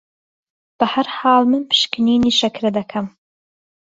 بە هەرحاڵ من پشکنینی شەکرە دەکەم